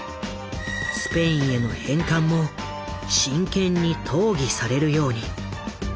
スペインへの返還も真剣に討議されるように。